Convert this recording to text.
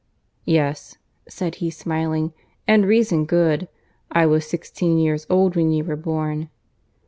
"Yes," said he, smiling—"and reason good. I was sixteen years old when you were born."